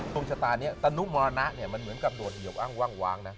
ตรงชะตานี้ตนุมรณะมันเหมือนกับโดดเหยียวอ้างว่างนะ